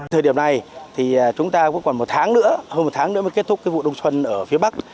thời điểm này thì chúng ta cũng còn một tháng nữa hơn một tháng nữa mới kết thúc vụ đông xuân ở phía bắc